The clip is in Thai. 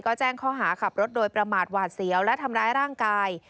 ก็แจ้งข้อหาขับรถโดยประมาทหวาดเสียวและทำร้ายร่างกาย